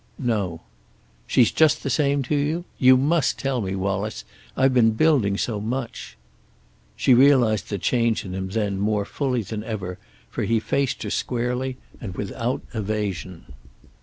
"No." "She's just the same to you? You must tell me, Wallace. I've been building so much." She realized the change in him then more fully than ever for he faced her squarely and without evasion.